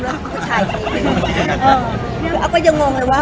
มีผู้ชายเน่เอาะก็อย่างง่อนเลยว่า